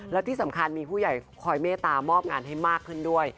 และที่สำคัญมีผู้ใหญ่คอยเมตตามอบงานให้มากขึ้นด้วย